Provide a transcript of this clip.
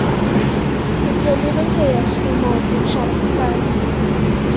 Dydy o ddim yn deall fy mod i'n siarad Cymraeg.